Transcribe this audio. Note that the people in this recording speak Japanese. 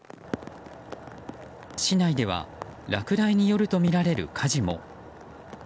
市内では落雷によるとみられる火事も。